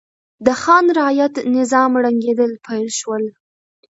د خان رعیت نظام ړنګېدل پیل شول.